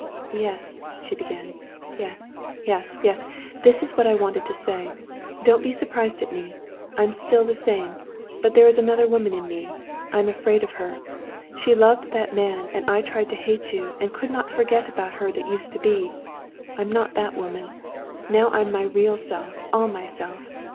"Yes," she began; "yes, yes, yes. This is what I wanted to say. Don't be surprised at me. I'm still the same.... But there is another woman in me, I'm afraid of her: she loved that man, and I tried to hate you, and could not forget about her that used to be. I'm not that woman. Now I'm my real self, all myself.